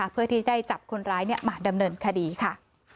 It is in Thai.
เพื่อที่จะจับคนร้ายมาดำเนินคดีค่ะ